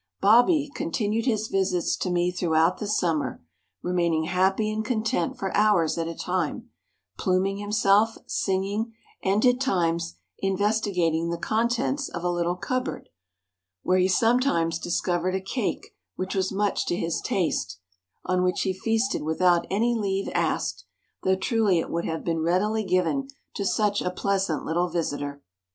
Bobbie continued his visits to me throughout the summer, remaining happy and content for hours at a time, pluming himself, singing, and at times investigating the contents of a little cupboard, where he sometimes discovered a cake which was much to his taste, on which he feasted without any leave asked, though truly it would have been readily given to such a pleasant little visitor.